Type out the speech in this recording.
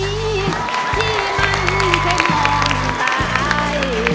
ที่มันเคยมองตาอ้าย